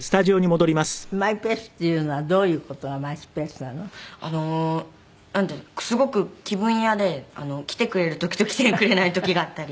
マイペースっていうのはどういう事がマイペースなの？なんていうかすごく気分屋で来てくれる時と来てくれない時があったり。